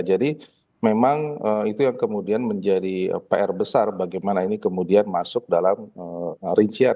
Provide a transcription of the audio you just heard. jadi memang itu yang kemudian menjadi pr besar bagaimana ini kemudian masuk dalam rincian